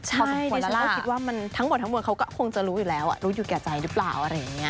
ใช่ดิฉันก็คิดว่ามันทั้งหมดทั้งหมดเขาก็คงจะรู้อยู่แล้วอ่ะรู้อยู่แก่ใจหรือเปล่าอะไรอย่างเงี้ย